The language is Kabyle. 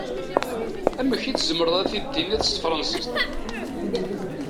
Amek i tzemreḍ ad t-id-tiniḍ s tefṛansist?